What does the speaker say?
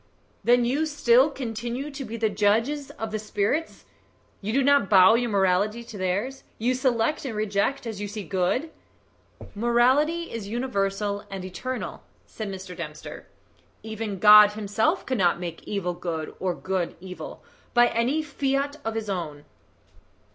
"Then you still continue to be the judges of the spirits? You do not bow your morality to theirs you select and reject as you see good?" "Morality is universal and eternal," said Mr. Dempster. "Even God himself cannot make evil good or good evil by any fiat of his own."